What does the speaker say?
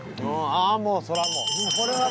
ああもうそれはもう！